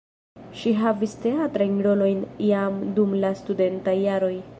Ŝi havis teatrajn rolojn jam dum la studentaj jaroj.